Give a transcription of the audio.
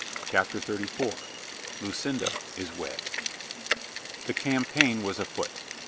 CHAPTER THIRTY FOUR LUCINDA IS WED THE campaign was afoot.